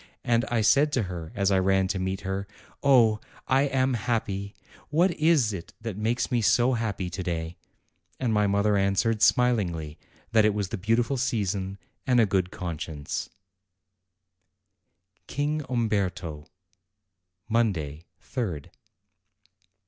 And I said to her as I ran to meet her : "Oh, I am happy ! what is it that makes me so happy to day?" And my mother answered smilingly that it was the beautiful season and a good conscience. KING UMBERTO 205 KING UMBERTO Monday, 3d.